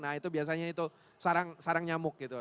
nah itu biasanya itu sarang nyamuk gitu